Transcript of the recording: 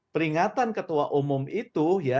peringatan ketua umum itu